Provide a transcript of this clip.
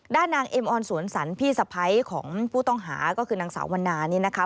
นางเอ็มออนสวนสันพี่สะพ้ายของผู้ต้องหาก็คือนางสาววันนานี่นะคะ